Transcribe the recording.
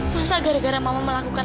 masa gara gara mau melakukan